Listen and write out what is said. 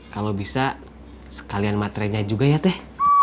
kalau bisa sekalian matrenya juga ya teh